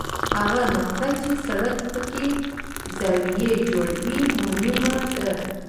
هغه نقطه چې سړک پکې زاویه جوړوي مهم ده